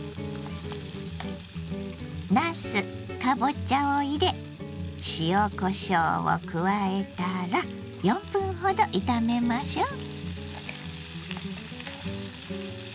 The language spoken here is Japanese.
なすかぼちゃを入れ塩こしょうを加えたら４分ほど炒めましょう。